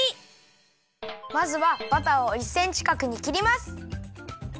まずはバターを１センチかくにきります。